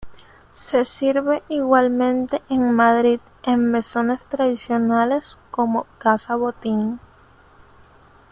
Se sirve igualmente en Madrid, en mesones tradicionales como Casa Botín.